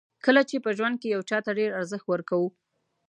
کله چې په ژوند کې یو چاته ډېر ارزښت ورکوو.